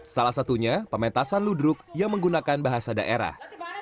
salah satunya pementasan ludruk yang menggunakan bahasa daerah